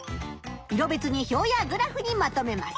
色別に表やグラフにまとめます。